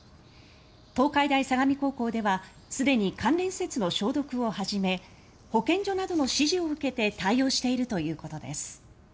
東海大相模高校ではすでに関連施設の消毒を始め保健所などの指示を受けて対応しているということです。